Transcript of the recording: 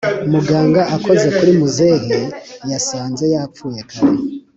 muganga akoze kuri muzehe yasanze yapfuye kare